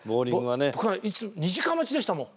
２時間待ちでしたもん。